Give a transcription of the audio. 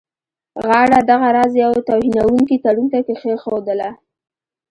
غاړه دغه راز یوه توهینونکي تړون ته کښېښودله.